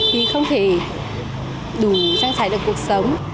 thì không thể đủ trang trải được cuộc sống